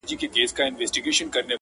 شمېریې ډېر دی تر همه واړو مرغانو-